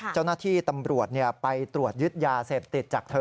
เจ้าหน้าที่ตำรวจไปตรวจยึดยาเสพติดจากเธอ